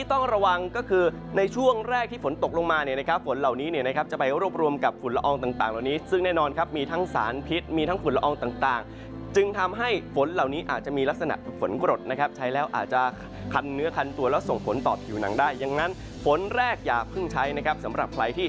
ต้องระวังก็คือในช่วงแรกที่ฝนตกลงมาเนี่ยนะครับฝนเหล่านี้เนี่ยนะครับจะไปรวบรวมกับฝุ่นละอองต่างเหล่านี้ซึ่งแน่นอนครับมีทั้งสารพิษมีทั้งฝุ่นละอองต่างจึงทำให้ฝนเหล่านี้อาจจะมีลักษณะฝนกรดนะครับใช้แล้วอาจจะคันเนื้อคันตัวแล้วส่งผลต่อผิวหนังได้ดังนั้นฝนแรกอย่าเพิ่งใช้นะครับสำหรับใครที่